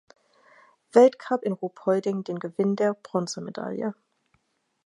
Weltcup in Ruhpolding den Gewinn der Bronzemedaille.